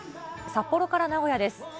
札幌から名古屋です。